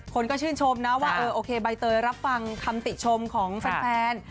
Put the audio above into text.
คนก็ชื่นชมนะว่าเออโอเคใบเตยรับฟังคำติชมของแฟน